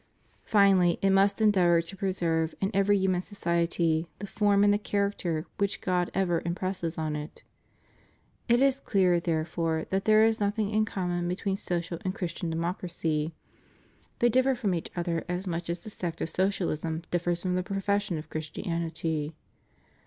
Finally it must endeavor to preserve in every human society the form and the character which God ever im presses on it. It is clear, therefore, that there is nothing in common between Social and Christian Democracy. They differ from each other as much as the sect of Socialism differs from the profession of Christianity.